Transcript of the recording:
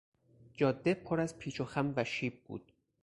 جاده پر از پیچ و خم و شیب بود.